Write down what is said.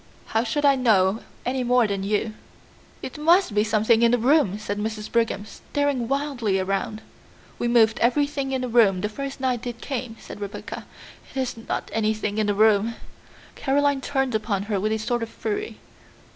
How should I know any more than you?" "It must be something in the room," said Mrs. Brigham, staring wildly around. "We moved everything in the room the first night it came," said Rebecca; "it is not anything in the room." Caroline turned upon her with a sort of fury.